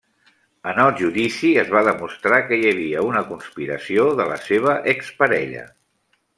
En el judici es va demostrar que hi havia una conspiració de la seva exparella.